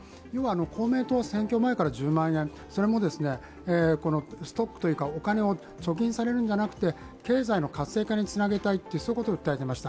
公明党は選挙前から１０万円、それもストックというかお金を貯金されるんじゃなくて経済の活性化につなげたいと訴えていました。